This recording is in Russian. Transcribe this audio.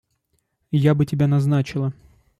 Я бы тебя назначила.